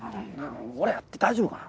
俺やって大丈夫かな？